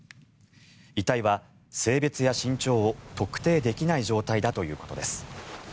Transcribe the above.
遺体は性別や身長を特定できない状態だということです。